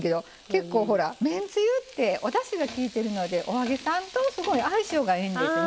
結構ほらめんつゆっておだしがきいてるのでお揚げさんとすごい相性がええんですね。